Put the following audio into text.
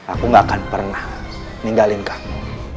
aku gak akan pernah ninggalin kamu